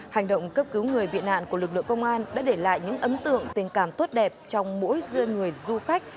hành động cấp cứu người bị nạn của lực lượng công an đã để lại những ấm tượng tình cảm tốt đẹp trong mỗi dân người du khách